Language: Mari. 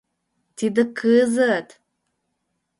Тиде кызыт.